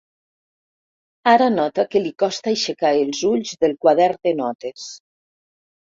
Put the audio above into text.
Ara nota que li costa aixecar els ulls del quadern de notes.